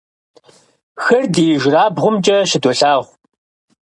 Хыр ди ижьырабгъумкӀэ щыдолъагъу.